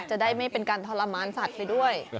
จะได้ไม่เป็นการทรมานสัตว์ไปด้วย